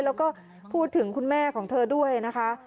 แล้วก็พูดถึงคุณแม่ของเธอด้วยนะคะ